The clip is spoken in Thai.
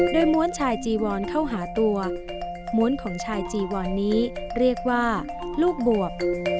โดยม้วนชายจีวอนเข้าหาตัวม้วนของชายจีวอนนี้เรียกว่าลูกบวบ